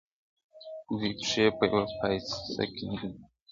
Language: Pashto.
o دوې پښې په يوه پايڅه کي نه ځائېږي!